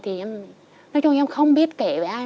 thì nói chung em không biết kể với ai